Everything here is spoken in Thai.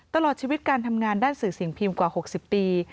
ตลอดชีวิตการทำงานด้านสื่อสิ่งพิมพ์กว่า๖๐ปี